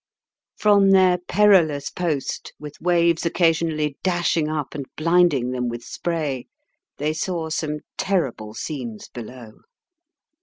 From their perilous post, with waves occasionally dashing up and blinding them with spray, they saw some terrible scenes below.